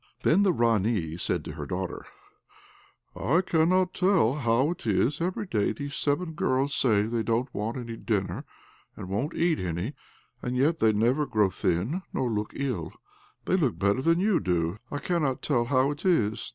Then the Ranee said to her daughter, "I cannot tell how it is, every day those seven girls say they don't want any dinner, and won't eat any; and yet they never grow thin nor look ill; they look better than you do. I cannot tell how it is."